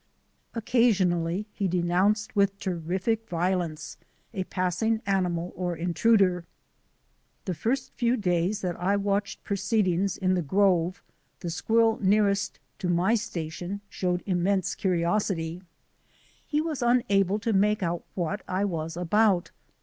Occasionally he denounced with terrific violence a passing animal or intruder. The first few days that I watched proceedings 32 THE ADVENTURES OF A NATURE GUIDE in the grove the squirrel nearest to my station showed immense curiosity. He was unable to make out what I was about.